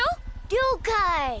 りょうかい。